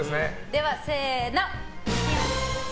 では、せーの。